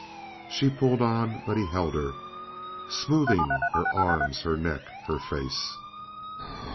She pulled on, but he held her, smoothing her arms, her neck, her face.